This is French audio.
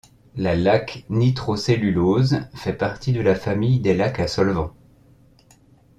La laque nitrocellulose fait partie de la famille des laques à solvant.